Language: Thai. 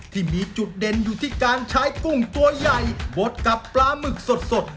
ที่มีจุดเด่นอยู่ที่การใช้กุ้งตัวใหญ่บดกับปลาหมึกสด